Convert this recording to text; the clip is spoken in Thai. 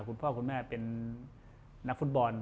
คุณพ่อคุณแม่เป็นนักฟุตบอล